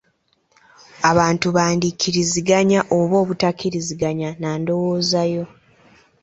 Abantu bandi kkiriziganya oba obutakkiriziganya na ndowooza yo.